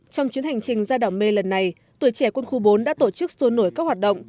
trong chuyến hành trình ra đảo mê lần này tuổi trẻ quân khu bốn đã tổ chức xuôi nổi các hoạt động